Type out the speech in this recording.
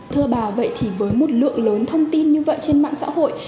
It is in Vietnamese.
thưa bà vậy thì với một lượng lớn thông tin như vậy trên mạng xã hội